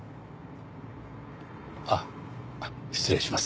あっ失礼します。